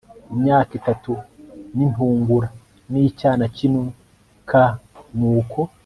imyaka itatu n intungura n icyana cy inuma k Nuko